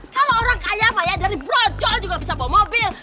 kalau orang kaya pak ya dari brocol juga bisa bawa mobil